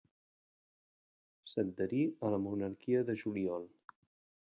S'adherí a la Monarquia de Juliol.